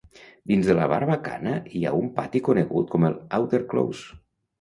Dins de la barbacana hi ha un pati conegut com el Outer Close.